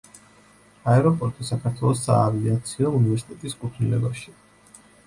აეროპორტი საქართველოს საავიაციო უნივერსიტეტის კუთვნილებაშია.